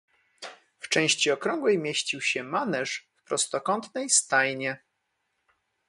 "W części okrągłej mieścił się maneż, w prostokątnej stajnie."